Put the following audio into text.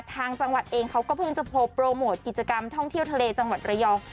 ทางจังหวัดเองเขาก็เพิ่งจะโพลโปรโมทกิจกรรมท่องเที่ยวทะเลจังหวัดระยอง